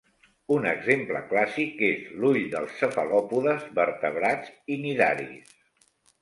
Un exemple clàssic és l'ull dels cefalòpodes, vertebrats i cnidaris.